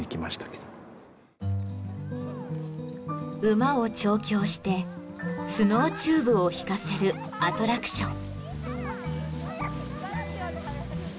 馬を調教してスノーチューブを引かせるアトラクション。